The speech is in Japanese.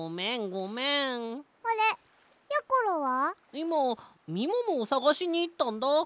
いまみももをさがしにいったんだ。